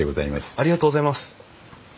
ありがとうございます。